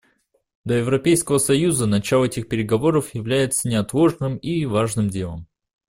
Для Европейского союза начало этих переговоров является неотложным и важным делом.